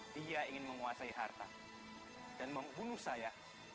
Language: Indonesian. dia ingin menguasai harta dan membunuh saya